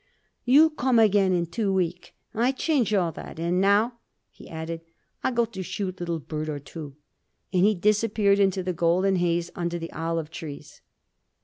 "You come again in two week—I change all that! And now," he added, "I go to shoot little bird or two," and he disappeared into the golden haze under the olive trees.